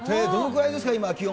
どのぐらいですか？